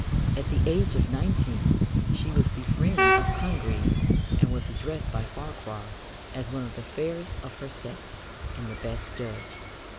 At the age of nineteen she was the friend of Congreve, and was addressed by Farquhar as "one of the fairest of her sex and the best judge."